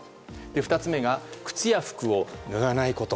２つ目が、靴や服を脱がないこと。